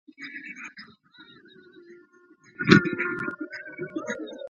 ارام ذهن نوي شیان ژر اخلي.